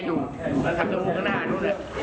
ดูข้างหน้าดูหนิ